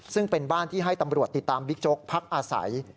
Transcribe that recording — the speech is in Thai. ซึ่งเป็นบ้านที่ให้ตำรวจติดตามบิ๊กโจ๊กพักอาศัย